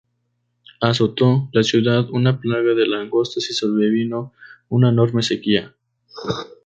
Azotó la ciudad una plaga de langostas y sobrevino una enorme sequía.